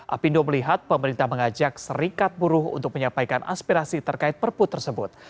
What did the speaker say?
apindo melihat pemerintah mengajak serikat buruh untuk menyampaikan aspirasi terkait perpu tersebut